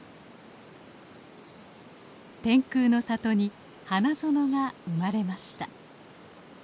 天空の里に花園が生まれました。